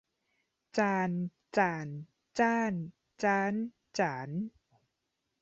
จาน จ่าน จ้าน จ๊าน จ๋าน